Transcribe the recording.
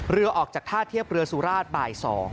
เรือออกจากท่าเทียบเรือสุราชบ่าย๒